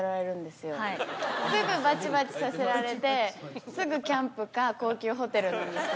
すぐばちばちさせられて、すぐキャンプか、高級ホテルなんです。